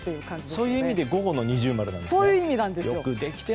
そういう意味で午後の二重丸なんですね。